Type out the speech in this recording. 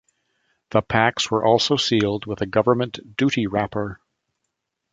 The packs were also sealed with a government duty wrapper.